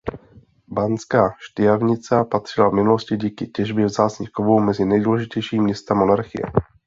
Banská Štiavnica patřila v minulosti díky těžbě vzácných kovů mezi nejdůležitější města monarchie.